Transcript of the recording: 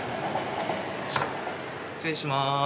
失礼します。